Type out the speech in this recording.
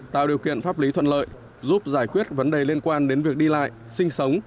tạo điều kiện pháp lý thuận lợi giúp giải quyết vấn đề liên quan đến việc đi lại sinh sống